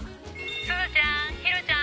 すずちゃんヒロちゃん！